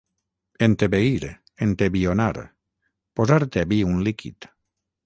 entebeir, entebionar: posar tebi un líquid